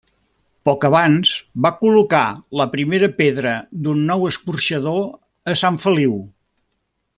Poc abans va col·locar la primera pedra d'un nou escorxador a Sant Feliu.